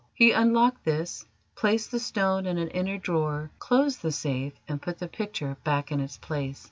He unlocked this, placed the stone in an inner drawer, closed the safe, and put the picture back in its place.